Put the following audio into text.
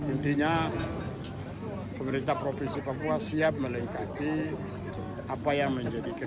intinya pemerintah provinsi papua siap melengkapi apa yang menjadikan